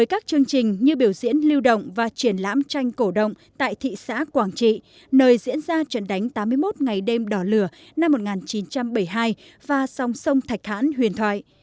các chương trình như biểu diễn lưu động và triển lãm tranh cổ động tại thị xã quảng trị nơi diễn ra trận đánh tám mươi một ngày đêm đỏ lửa năm một nghìn chín trăm bảy mươi hai và song sông thạch hãn huyền thoại